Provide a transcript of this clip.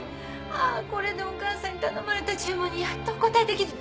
あこれでお母さんに頼まれた注文にやっとお応えできる。